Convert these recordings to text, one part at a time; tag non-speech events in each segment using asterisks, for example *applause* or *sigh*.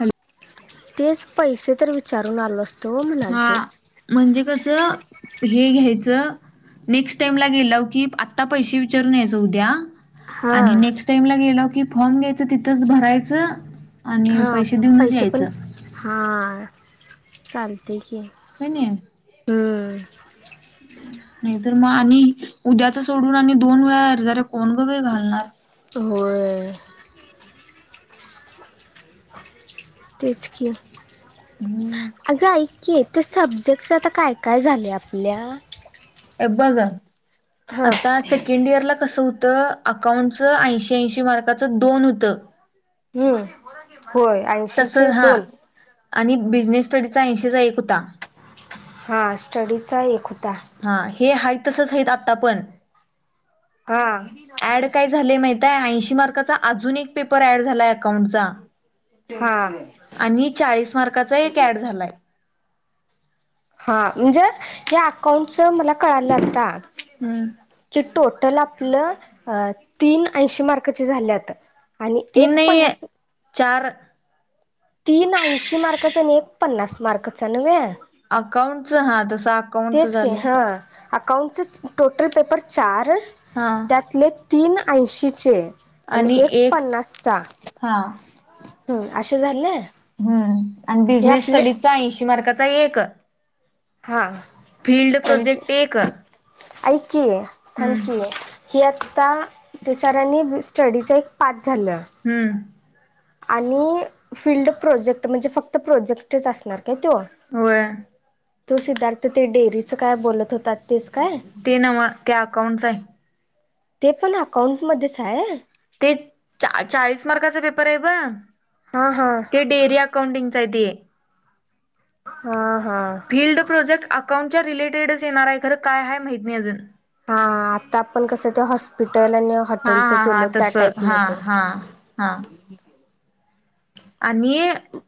Hello तेच पैसे तर विचारून आलो असतो म्हणाल तो हा म्हणजे कस हे घ्यायचं नेक्स्ट टाइमला गेला की आत्ता पैसे विचारून यायचे उद्या हा आणि नेक्स्ट टाइम ला गेल की फॉर्म घ्यायचा तिथंच भरायचा हो पैसे पण हा चालते की कणी हा. *inaudible* होय. तेच कि हम्म अगं ऐक? कि ते सब्जेक्टच आता काय काय झाले आपल्या बघ हा आता सेकंड इयरला. कस होत, अकाउंटच, ऐंशी- ऐंशी मार्काचं दोन होत. हम्म होय तस ऐंशीचे हो दोन आणि बिजनेस स्टडीचा ऐंशीचा एक होता. हा, स्टडीचा एक होता. हा, हे हाय तसंच हायत आता पण. हा ऍड काय झाले माहितिये ता ऐंशी मार्काचा अजून एक पेपर अँड झालाय अकाउंट चा? हा आणि चाळीस मार्काचा एक ऍड झालाय हा म्हणजे या अकाउंटच मला कळायला आत्ता हम्म की टोटल आपलं तीन ऐंशी मार्कचे झालेत आत्ता आणि तीन एक नाही पन्नास चार तीन ऐशी मार्काच आणि एक पन्नास मार्कच नव्हे? - अकाउंट हो तस तेच की हा अकाऊंटचे टोटल पेपर चार हा त्यातले तीन ऐंशीचे आणि एक पन्नासचा हा हम् असे झाले. हम्म आणि हे बिझनेस आपले स्टडीज चा ऐंशी मार्कांचा एक हा फील्ड त्या प्रोजेक्ट एक ऐक की हम्म थँक्यू. ही आता बिचऱ्यांनी स्टडीचा एक पाठ. हम्म. आणि फिल्ड प्रोजेक्ट म्हणजे फक्त प्रोजेक्टच असणार. काय तो होय तू सिद्धार्थ ते डेअरीच काय बोलत होतात तेच काय? ते नाही त्या अकाउंटच आहे. ते पण अकाउंटमध्येच आहे. ते चाळीस मार्कांचा पेपर आहे बघ. हा हा ते डेअरी अकाउंडिंग साठी आहे. हा. फिल्ड प्रोजेक्ट अकाउंटच्या रिलेटेडच येणार आहे खरं काय आहेय माहित नाही अजून हा आता आपण कसं ते हॉस्पिटल आणि हा हॉटेलच हा हा केलो त्या तसं हा टाईपमध्येध्ये हा हा. आणि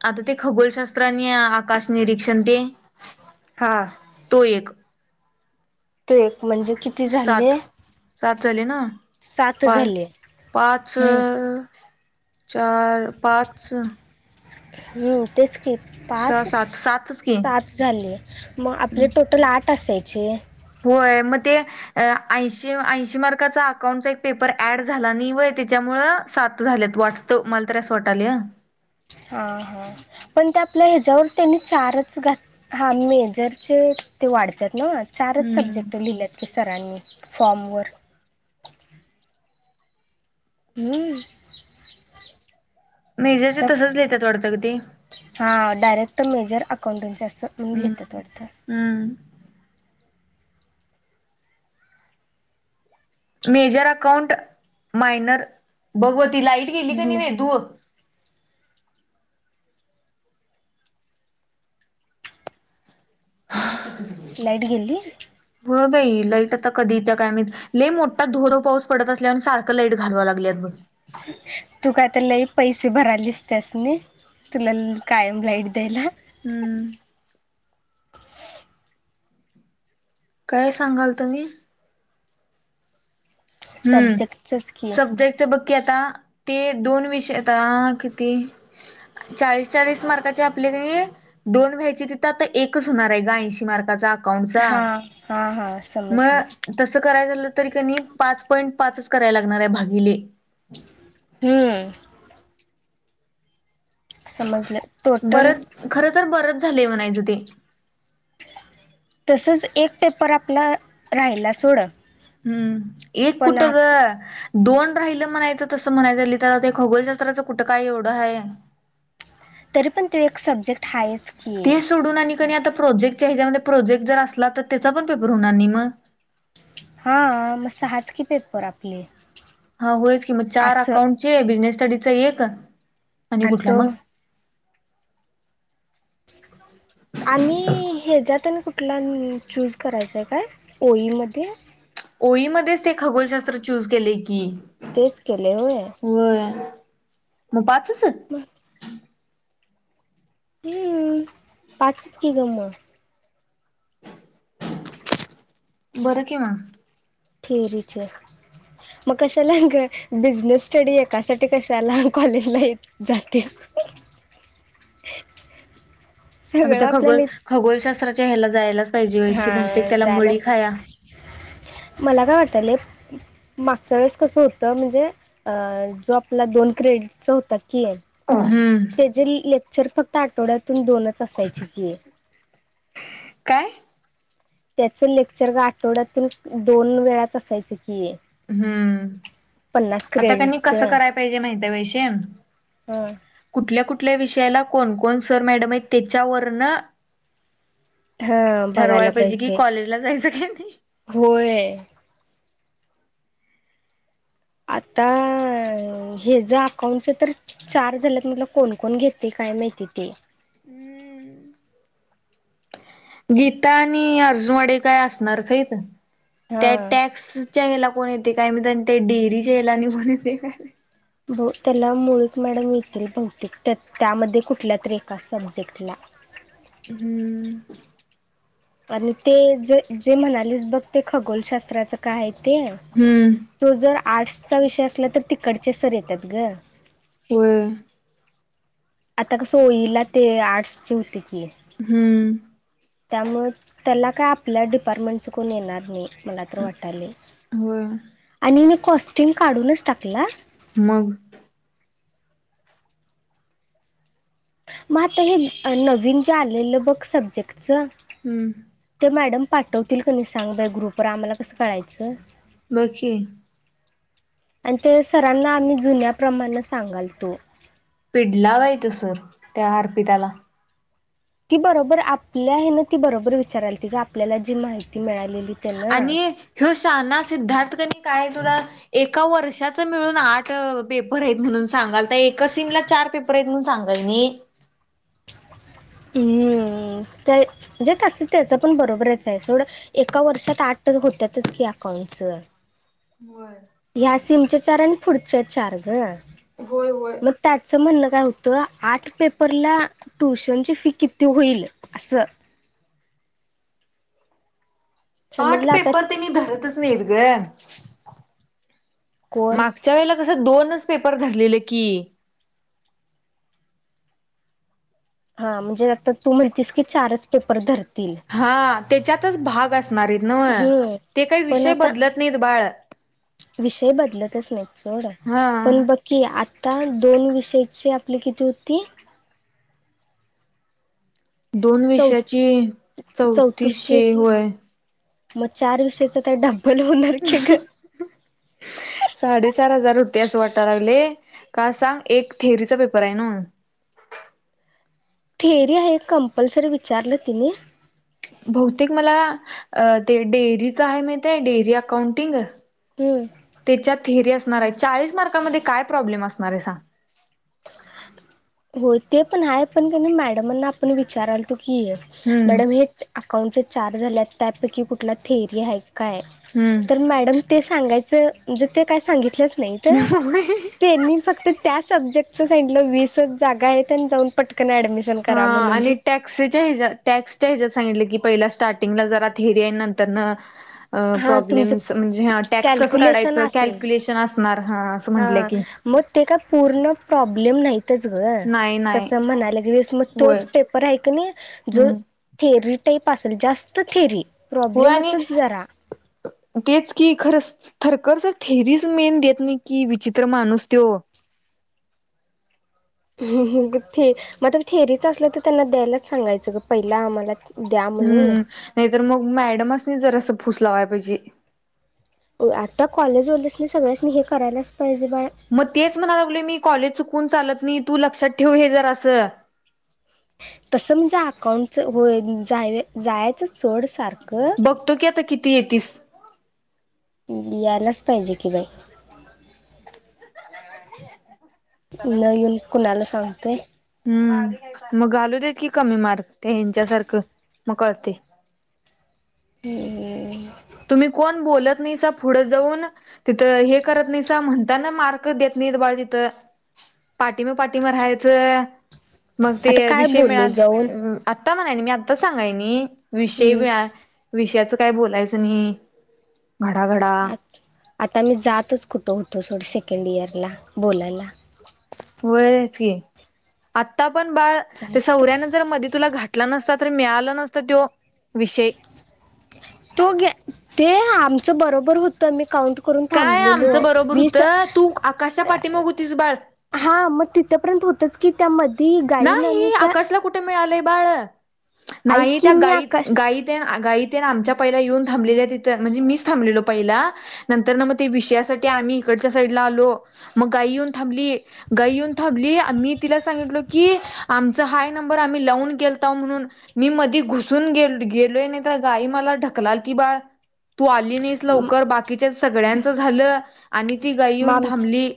आता ते खगोलशास्त्रानी आकाश निरीक्षण दे हा तो एक. तू एक म्हणजे किती झाले. सात सात झाली ना सात पाच झाले पाच चार पाच हम्म तेच क पाच सात सातच की सात झाले मग आपले टोटल आठ असायचे. मग ते ऐशी ऐशी मार्काचा अकाउंटचा एक पेपर ऍड झाला नाही व त्याच्यामुळे सात झाल्यात वाटतं मला तर अस वाट आले. हा हा पण ते आपल्या ह्याच्यावर त्यांनी चारच घात हा मेजरचे ते वाढतात ना. चारच सब्जेक्ट हम्म लिहिलेतले सरांनी फॉर्मवरर हम्म. मेजरशी तर तसंच लिेतात थोडं की हा डायरेक्ट मेजर अकाउंटनचे असं म्हण हम्म लिेतात थोडत. हम्म मेजर अकाउंट मायनर बघव. ती लाईट गेली का नाही बिझनेस वेधूक *inaudible* लाईट गेल्ली. हो बाई लाईट आता कधी त्या कायम लले मोठा धोरो पाऊस पडत असल्यान सारखं लाईट घालवा लागलेत ब तू का तर लई पैसे भरायलेसतेस नाही. तुला कायम लाईट द्यायला. हम्म. काय सांगाल तुम्ही? हम्म सब्जेक्टचंच की सब देते बघ क आता ते दोन विषयता किती? चाळीस चाळीस मार्काचे आपल्याकडे दोन व्यायचे तिथं आता एकच होणार आहे ग ऐंशी मार्काचा हा अकाउंटचा हा हा. समजलं मग तसं कराय झालं तरी कनी पाच पॉईंट पाच करायला लागणार आहे भागिले. हम्म. समजलं टोटल. बरंच खर तर बरच झालेय म्हणायचं ते तसच एक पेपर आपला राहायला सोड. हम्म एक पण कुठ ग? आप दोन राहिलं म्हणायचं तसं म्हणायचं ल तर आता खगोलशास्त्राचं कुठं काय एवढं आहे. तरी पण तो एक सब्जेक्ट हाय. ते सोडून आणि कणी आता प्रोजेक्ट ह्याच्या प्रोजेक् जर अस तर त्या पण पेपर होणार नाही मग हा मस्त हजकी पेपर आपले. हा होयच की मग चार असं अकाउंटचे बिजनेस स्टडीचा एक आणि आणि कुठला तो मग? आणिम हेजात ता कुठला चूज करायचा आहे काय ओईमध्ये ओईमध्येध्येच ते खगोलशास्त्र चूज केले की तेच केले होय. होय मग पाचच *inaudible* हम्म पाचस कि गमग बरं कि म थियरी च मग कशाला बिझनेस स्टडी एकासाठी कशाला कॉलेजला य जातीस *inaudible* अग त्या खगोल खगोलशास्त्राच्या ह्याला जायला पाहिजे व हा बहुतेक त्याला जायला मुळी खाया वाटायला मागच्या वेळेस कसं होतं म्हणजे जो आपला दोन क्रेडट होता हम्म किती लेख फक्त आठवड्यातून दोनच असायचे की ये काय त्याचं लेक्चर ग आठवड्यातून दोन वेळाच असायच. हम्म पन्नास आता कनी क्रेडिटच कस कराय पाहिजे माहिती वैशे ह कुठ कुठल्या कुठल्या विषयाला कोणकण सर मॅडम आहे त्याच्यावर ना हा ठरवाय बघायला पाहिजे कि कॉलेजला जायच होय आता हे ज अकाउंटच तर चार झाल्यात म्हटलं कोण कोण घेते काय माहिती ते हम्म गीता आणि अर्जुनवाडे काय असणारच आहेत त्या हा टॅक्स याला कोण येते काय मी त्या डेअरीच्या याला आणि कोण येते काय त्याला मुळीक मॅडम मिळतील भौतिक तर त्यामध्ये कुठल्या तररी एका सब्जेक्टला. हम्म आणि ते ज जे म्हणालीस बघ ते खगोलशास्त्राचं काय ते हम्म तो जर आर्टसचा विषय असला तर तिकडचे सर येतात ग वय आता कसं होईला ते आर्ट्सचे होते की हम्म त्यामुळे त्याला काय आपल्या डिपार्टमेंटच कोण येणार नाही. मला तर वाटाले होय आणि मी कॉस्टिंग काढूनच टाकला मग मग आता हे नवीन जे आलेलं बघ सब्जेक्टच. हम्म मॅडम पाठवतील का नाय? सांग बाई ग्रुपवर आम्हाला कसं कळायचं *unintelligible* आणि ते सरांना आम्ही जुन्या प्रमाणा सांगाल तो पिडला बाई तो सर त्या अरपिताला. ती बरोबर आपल्या आहे ना ती बरोबर विचारायल त आपल्याला जी माहिती मिळालेली त्यानं आणि ह्यो शाना सिद्धार्थ कनी काय तु ए वर्षा मिळून आठ पेपर म्हणून सांगाल ता एक सिम पेपरून सांगल म *inaudible* हम्म जेच अस त्याच पण बरोबरच आहे सोड एका वर्षात आठ होत्याच की अकाउंटच होय ह्या सीमच्या चार आणि पुढच्या चार ग होय होय मग त्याचं म्हणणं. होत आठ पेपरला ट्युशनची फी किती होईल अस. आर्ठ समजलं आता पेपर तेनी धरतच नाहीत ग. कोण मागच्या वेळेला कस त दोनच पेपर धरलेले की हा म्हणजे आता तू म्हणतीस की चारच पेपर धर. हा त्याच्यातच भाग असणारेत न व. हम्म ते काही पण विषय आता बदलत नाहीत बाळ विषय बदलतच नाहीत सोड हा पण बघकी आ आता दोन विषयाची आपली किती होती. दोन चौ विषयाची चौतीसशे चौथीषे होय. मग चार विषयचा त्या डब साडेचार हजार होते अस वाटा लावले. का सांग एक थेअरीचा पेपरे न व. थेअरी हाये हे कंपल्सरी विचारलं तिनी. बहुतेक मला ते डेअरीच हाये माहिते डेअरी अकाउंटिंग. हम्म त्याच्या थेर्या अस नारे चाळीस मारकामध्ये काय प्रॉब्लेम असणारे साग. होय ते पण हाय पण कीनी मॅडमांना आपण विचारालतो. की हम्म मॅडम हे अकाउंटचे चार झाले त्यापैकी कुठला थेरी हाये. काय तर मॅडम ते सांगायचं म्हणजे ते काय सांगितलंच नाहीत हम्म त्यांनी फक्त त्या सब्जेक्टच सांगीलं वीसच जागायेतन जाऊन पट हा आणि टॅक्सच्या हच्या टॅक्सच्या हेच्यात सांगील की पहिला स्टार्टिंगला जरा थेरीये नंतर न अ हा तुमचं प्रॉब्लेमस म्हणजे हा टॅक्सेच कॅल्क्युलेशन काढायचं असेल. क्युलेशन असणार ह अस म्हणल्या हा की मग ते का पूर्ण प्रॉब्लेम नाही तच ग नाही नाही तस म्हणाला गेलीस मग होय तोच पेपर हाय की नाही जो हम्म थिरी स्टेप असल जास्त थेरी होय प्रॉब्लेम आणि असल जरा. तेच की खरं खरखर थेरीच मेन देत नाही की विचित्र माणूस त्यो. *inaudible* मग थेरीच असल त त्यांना द्यायलाच सांगायचं ग पहिला आम्हाला द्या म्हणून. हम्म नाही तर मग मॅडमासनी जरासं फूसलावाय पाहिजे. आता कॉलेज वाल्यांसनी सगळ्यासनी हे करायलाच पाहिजे बाळ. मग तेच म्हणा लागलोय मी कॉलेज चुकवून चालत नाही तू लक्षात ठेव हे जरास. तसं म्हणजे अकाउंटच होय जाय जायचं सोड सार बघतो की आता किती येतीस. यालाच पाहिजे की बाई. न येऊन कुणाला सांगतोय हम्म. मग घालूदे कि कमी मार्क ते हच्यासारखं मग कळते. हम्मम्म. तुम्ही कोण बोलत नाहीसा पुढ जाऊन, तिथ हे करत नाहीसा म्हणताना मार्क देत निट बाधीत. *inaudible* पाठीमा पाठीमा राहायचं मग ते आता काय विषय बोलू जाऊन मिळाला म्हणायला. मी आता सांगायनी विषय मीळा हम्म विषयाचं काय बोलायच णी घडागडा. आता मी जातच कुठं होतो सोडं सेकंड इयरला बोलायला. व्हयच की आता पण बाळ ते जास्त सौऱ्यान जर मध्ये तुला घाट भटला नसता तर मिळाला नसत त्यो विषय. तो ते आमच बरोबर होत मी काउंट करून काय थांबलेलो आमचं बरोबर वीस. होतं तू आकाशच्या पाठीमाग होतीस बाळ हा मग तिथपर्यंत होतच की त्यामध्य नाही आकाशला कुठे मिळाले बाळ ऐक नाही त्या की मी गाईत आकाश गाई त्या गाई आमच्या पहिला येऊन थांबलेल्या तिथ म्हणजे मी थबलो पहिला नंतर ना मग ते विषयासाठी आम्ही इकड साईड आलो मग गाई येऊन थांबली गाई येऊन थांबली मी तिला सांगितल की आमचा हाय नंबर आम्ही लावून गेलता म्हणून मी मधी घुसून गेलो गेलोय नाही तर गाई मला ढकलाल की बाळ तू आली नाहीस म लवकर बाकीच्या सगळ्यांच झालं आणि ती गई येऊन आमच थांबली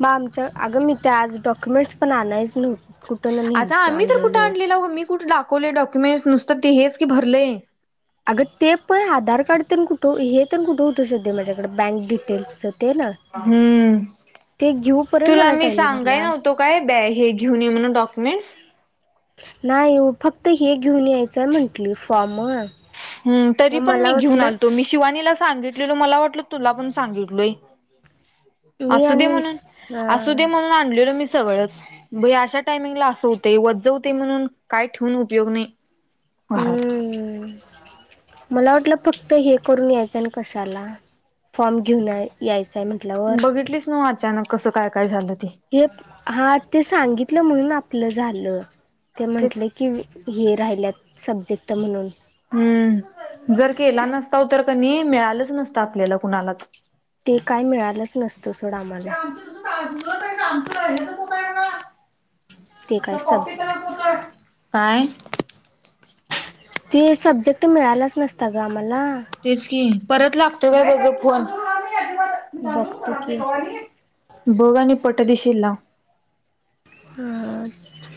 मग आमच्या अगं मी ते आज डॉक्युमेंट्स पण आणायच नव्हत आता आम्ही तर कुठे आणलेला हो मी कुठे दाखवले डॉक्युमेंटस नुसत ते हेच की भरलेय अगं कुठे उठ शध माझ्याकडे बँक डिटेल्स ते ना हम्म ते घेऊपर्यंत तुला मला मी टाइम सांगाय झाला. नव्हतो काय ब हे घेऊन ये म्हणून डॉक्युमेंटस नाही फक्त हे घेऊन यायचंय म्हंटली फॉर्म ह तरी मग पण मी मला घेऊन वाटलं आलतो मी शिवानीला सांगितलेल मला वाटलं तुला पण सांगितलय मी असू दे आणि म्हणून अ असू दे म्हणून आणलेल मी सगळंच अशा टायमिंगला अस होते वजवते म्हणून काय ठेवून उपयोग नाही भारत हम्म मला वाटलं फक्त हे करून यायचं ना कशाला फॉर्म घेऊन यायचंय म्हटल्यावर बघितलीच नव्ह अचानक कसं काय काय झालं ते हे हा ते सांगितलं म्हणून आपलं झालं ते तेच म्हटले की हे राहिल्यात सब्जेक्ट म्हणून हम्म नसत आपल्याला कुणालाच ते काय मिळालंच नसतं सोडा आमला आमच हेच होत आहे ना ते काय असं कॉफी केला सब्जेक्ट होतय काय ते सब्जेक्ट मिळालाच नसता ग आम्हाला तेच की परत लागतो काय ब फोन बघतो की बोग आणि आणि पट दिशीलला हा